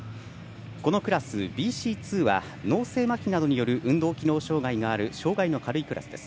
このクラス、ＢＣ２は脳性まひなどによる運動機能障がいのある障がいの軽いクラスです。